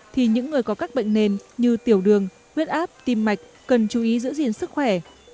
thì những người có các bệnh nền như tiểu đường huyết áp tim mạch cần chú ý giữ gìn sức khỏe